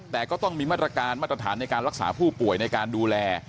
แต่ก็ต้องมีมาตรการมาตรฐานในการรักษาผู้ป่วยในการดูแล